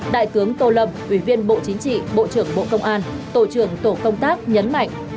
đại tướng tô lâm ủy viên bộ chính trị bộ trưởng bộ công an tổ trưởng tổ công tác nhấn mạnh